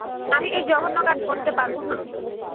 আমি এই জঘন্য কাজ করতে পারবোনা।